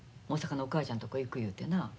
大阪のお母ちゃんとこ行く言うてな。